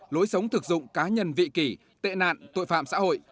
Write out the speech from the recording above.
lối sống thực dụng cá nhân vị kỳ tệ nạn tội phạm xã hội